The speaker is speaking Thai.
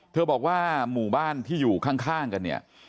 บอกว่าหมู่บ้านที่อยู่ข้างกันเนี่ย